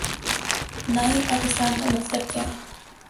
نا ہی پاکستان کا مطلب کیا